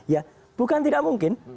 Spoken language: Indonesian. ya bukan tidak mungkin